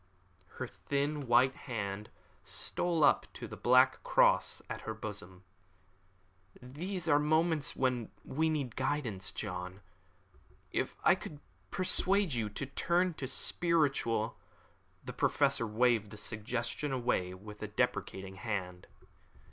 Her thin white hand stole up to the black cross upon her bosom. "These are moments when we need guidance, John. If I could persuade you to turn to spiritual " The Professor waved the suggestion away with a deprecating hand.